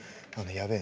やべえ！